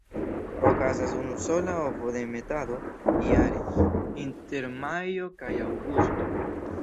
Okazas unusola ovodemetado jare, inter majo kaj aŭgusto.